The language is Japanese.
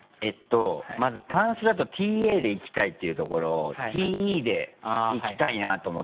まずタンスだと「Ｔａ」でいきたいっていうところを「Ｔｅ」でいきたいなと思って。